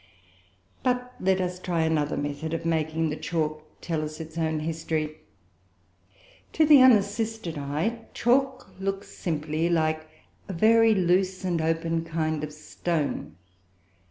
Let us try another method of making the chalk tell us its own history. To the unassisted eye chalk looks simply like a very loose and open kind of stone.